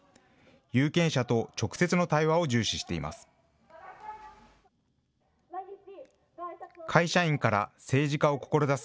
有権者と直接の対話を重視しています。